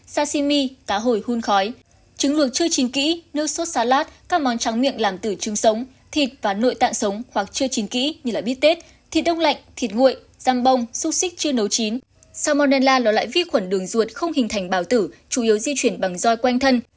salmonella là loại vi khuẩn đường ruột không hình thành bào tử chủ yếu di chuyển bằng roi quanh thân